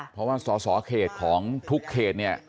เพราะว่าสอสอเขตของทุกเขตเนี่ย